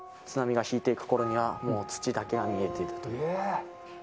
津波が引いていくころには、もう土だけが見えているという。